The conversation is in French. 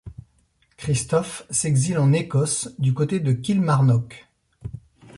Christophe s'exile en Écosse du côté de Kilmarnock.